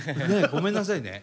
ごめんなさいね。